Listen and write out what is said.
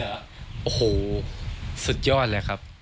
โอ้โหสุดยอดเลยครับ